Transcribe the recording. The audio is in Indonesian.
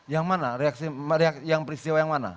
yang mana yang peristiwa yang mana